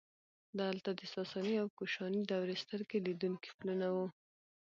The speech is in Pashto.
دلته د ساساني او کوشاني دورې سترګې لیدونکي پلونه وو